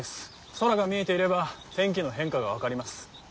空が見えていれば天気の変化が分かります。